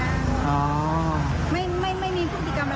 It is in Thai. ไม่มีพฤติกรรมอะไรเลย